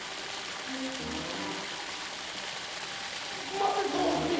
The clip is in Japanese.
待てと申すに！